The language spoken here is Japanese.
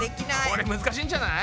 これむずかしいんじゃない？